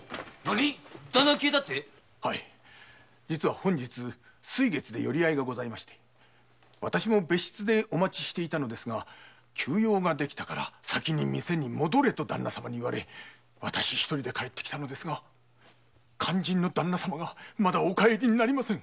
本日“水月”で寄り合いがありわたしも別室でお待ちしていたのですが急用ができたから先に戻れと言われ一人で帰ってきたのですが肝心の旦那様がお帰りになりません。